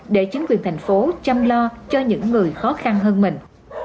để chính quyền thành phố chăm lo cho những người khó khăn hơn mình